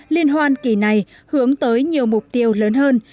liên hoan kỳ này hướng tới nhiều mục tiêu lớn hơn